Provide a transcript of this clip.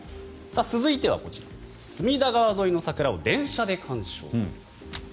続いてはこちら隅田川沿いの桜を電車で観賞。